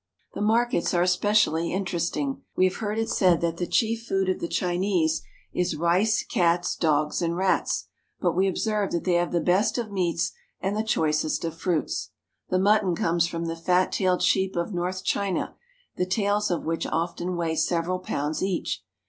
The markets are especially interesting. We have heard it said that the chief food of the Chinese is rice, cats, dogs, and rats. But we observe that they have the best of meats and the choicest of fruits. The mutton comes from the fat tailed sheep of north China, the tails of which often weigh several pounds each.